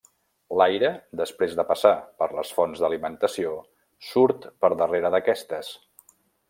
L'aire, després de passar per les fonts d'alimentació surt per darrere d'aquestes.